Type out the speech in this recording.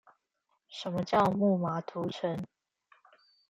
什麼叫木馬屠城